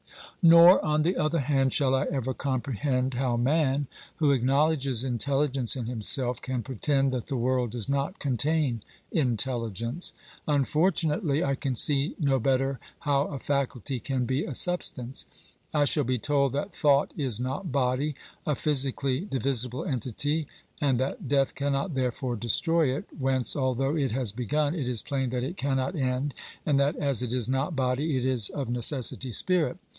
Nor, on the other hand, shall I ever comprehend how man, who acknowledges intelligence in himself, can pretend that the world does not contain intelligence. Unfortunately I can see no better how a faculty can be a substance. I shall be told that thought is not body, a physically divi sible entity, and that death cannot, therefore, destroy it, whence, although it has begun, it is plain that it cannot end, and that as it is not body it is of necessity spirit.